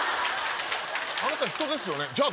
あなた人ですよねじゃ